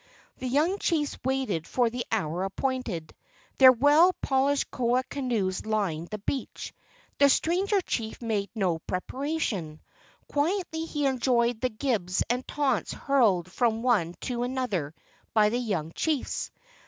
The young chiefs waited for the hour appointed. Their well polished koa canoes lined the beach. The stranger chief made no preparation. Quietly LEGENDARY CANOE MAKING 31 he enjoyed the gibes and taunts hurled from one to another by the young chiefs.